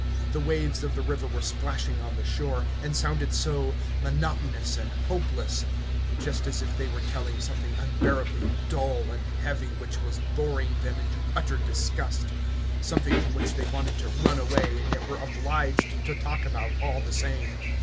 The waves of the river were splashing on the shore, and sounded so monotonous and hopeless, just as if they were telling something unbearably dull and heavy, which was boring them into utter disgust, something from which they wanted to run away and yet were obliged to talk about all the same.